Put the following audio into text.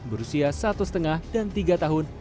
berusia satu lima dan tiga tahun